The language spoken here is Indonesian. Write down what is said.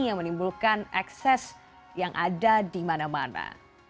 yang menimbulkan ekses yang ada di mana mana